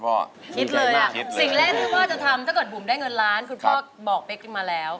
คิดเลยสิ่งแรกที่พ่อจะทำถ้าเกิดบุ๋มได้เงินล้านคุณพ่อบอกเป๊กขึ้นมาแล้ว